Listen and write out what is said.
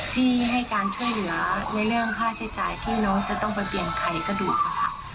ที่ให้การช่วยเหลือในเรื่องค่าใช้จ่ายที่น้องจะต้องไปเปลี่ยนใครก็ดูดค่ะ